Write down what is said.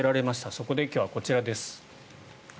そこで今日はこちらです。